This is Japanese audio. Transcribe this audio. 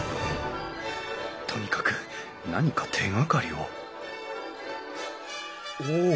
とにかく何か手がかりをお！